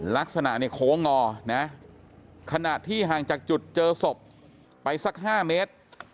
ลักษณะเนี่ยโค้งงอนะขณะที่ห่างจากจุดเจอศพไปสัก๕เมตร